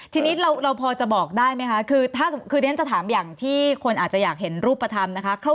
ทีนี้เราพอจะบอกได้ไหมคะคือถ้าคือเรียนจะถามอย่างที่คนอาจจะอยากเห็นรูปธรรมนะคะ